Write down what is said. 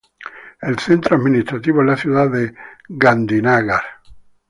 El centro administrativo es la ciudad de Gandhinagar.